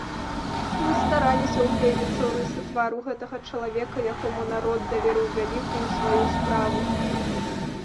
Мы стараліся ўгледзецца ў рысы твару гэтага чалавека, якому народ даверыў вялікую сваю справу.